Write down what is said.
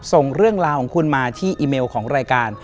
ส่งเรื่องราวของคุณมาที่อีเมลของรายการ